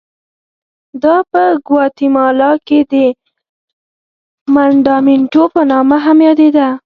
دا په ګواتیمالا کې د منډامینټو په نامه هم یادېده.